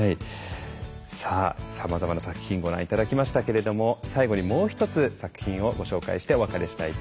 さあさまざまな作品ご覧頂きましたけれども最後にもう一つ作品をご紹介してお別れしたいと思います。